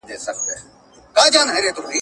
د خپلو نطفو لپاره سيالاني غوره کړئ.